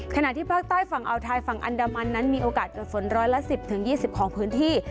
ขณะที่ภาคใต้ฝั่งอาวไทยฝั่งอันดามันนั้นมีโอกาสเกิดฝนร้อยละ๑๐๒๐ของพื้นที่